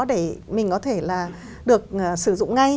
để mình có thể là được sử dụng ngay